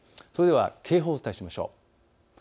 それでは警報をお伝えしましょう。